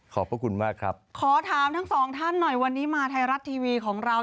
พระคุณมากครับขอถามทั้งสองท่านหน่อยวันนี้มาไทยรัฐทีวีของเรา